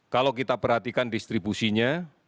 kalau kita perhatikan distribusinya